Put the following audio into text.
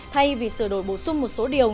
thay vì sửa đổi bổ sung một số điều